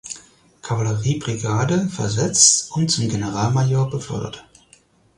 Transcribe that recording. Kavalleriebrigade versetzt und zum Generalmajor befördert.